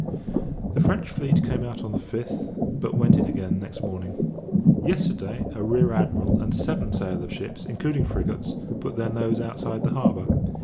The French fleet came out on the 5th, but went in again the next morning. Yesterday, a Rear Admiral, and seven sail of ships, including frigates, put their nose outside the harbour.